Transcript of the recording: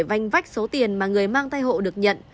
vanh vách số tiền mà người mang thai hộ được nhận